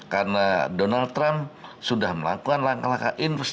karena donald trump sudah melakukan